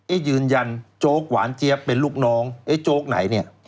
ยืนยันโจ๊กหวานเจี๊ยบเป็นลูกน้องไอ้โจ๊กไหนเนี่ย